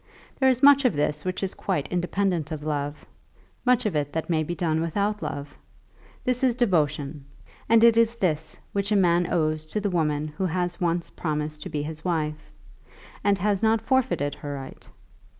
There is much of this which is quite independent of love, much of it that may be done without love. This is devotion, and it is this which a man owes to the woman who has once promised to be his wife, and has not forfeited her right.